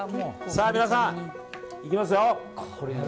皆さん、いきますよ。